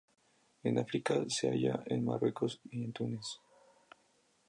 En África, se halla en Marruecos y en Túnez.